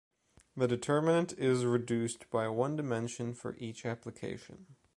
The determinant is reduced by one dimension for each application.